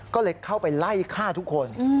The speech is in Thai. ก็เลยเข้าไปไล่ฆ่าทุกคน